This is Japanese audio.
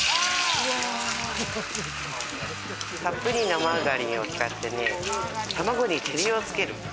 たっぷりなマーガリンを使って卵に照りをつける。